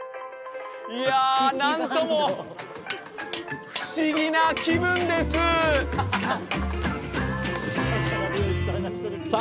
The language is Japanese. いや何とも不思議な気分ですさあ